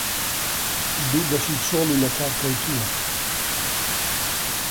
دوو بەشی چۆل و لە کار کەوتووە